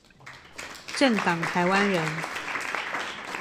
正港台灣人